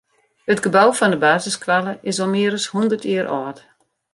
It gebou fan de basisskoalle is al mear as hûndert jier âld.